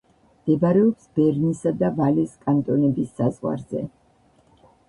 მდებარეობს ბერნისა და ვალეს კანტონების საზღვარზე.